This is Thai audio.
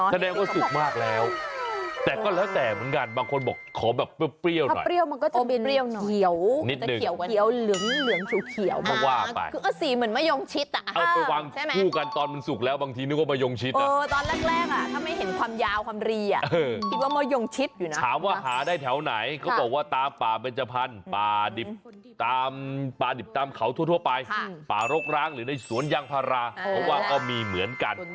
ใช่เมื่อกี้น้อยพี่พี่เขาบอกว่าโอ้ไม่รู้